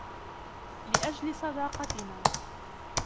لأجلِ صداقتنا